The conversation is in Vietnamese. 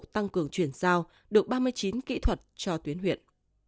tăng cường chuyển giao được ba mươi chín kỹ thuật cho tuyến huyện